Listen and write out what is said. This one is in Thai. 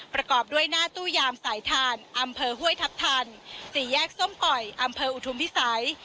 ประกอบด้วยหน้าตู้ยามสายทานอำเภอห้วยทัพทันสี่แยกส้มก่อยอำเภออุทุมพิสัย